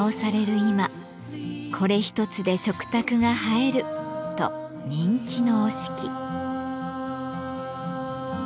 今「これ一つで食卓が映える」と人気の折敷。